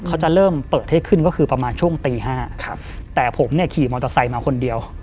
เขาจะเริ่มเปิดให้ขึ้นก็คือประมาณช่วงตีห้าครับแต่ผมเนี่ยขี่มอเตอร์ไซค์มาคนเดียว